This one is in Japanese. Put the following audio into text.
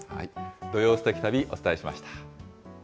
土曜すてき旅、お伝えしました。